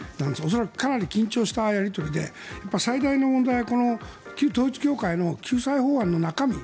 恐らくかなり緊張したやり取りで最大の問題は旧統一教会の救済法案の中身。